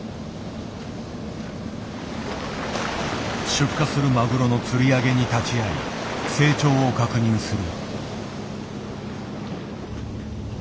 出荷するマグロの釣り上げに立ち会い成長を確認する。